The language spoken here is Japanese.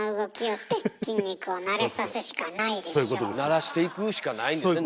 慣らしていくしかないんですね。